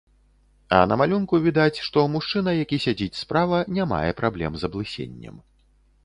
А на малюнку відаць, што мужчына, які сядзіць справа, не мае праблем з аблысеннем.